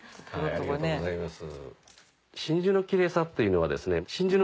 ありがとうございます。